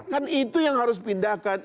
kan itu yang harus pindahkan